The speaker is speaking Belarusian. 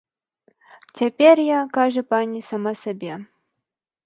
Цяпер я, кажа, пані сама сабе.